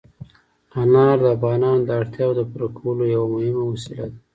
انار د افغانانو د اړتیاوو د پوره کولو یوه مهمه وسیله ده.